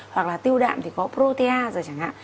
hoặc là tiêu đạm thì có protease chẳng hạn